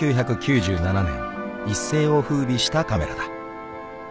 ［１９９７年一世を風靡したカメラだ］